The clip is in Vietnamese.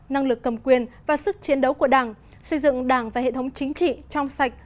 năng lực cầm quyền và sức chiến đấu của đảng xây dựng đảng và hệ thống chính trị trong sạch